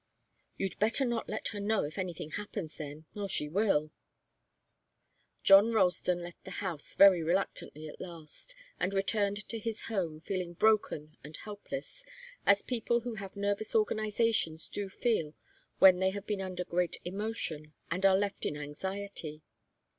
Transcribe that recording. "You'd better not let her know if anything happens, then or she will." John Ralston left the house very reluctantly at last, and returned to his home, feeling broken and helpless, as people who have nervous organizations do feel when they have been under great emotion and are left in anxiety.